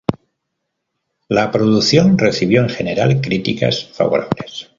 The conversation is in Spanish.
La producción recibió en general críticas favorables.